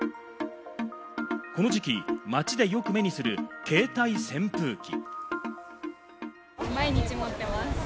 この時期、街でよく目にする携帯扇風機。